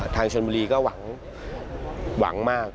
ทางชนบุรีก็หวังมาก